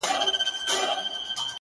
مجرم د غلا خبري پټي ساتي!